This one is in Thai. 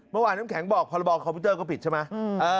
น้ำแข็งบอกพรบคอมพิวเตอร์ก็ผิดใช่ไหม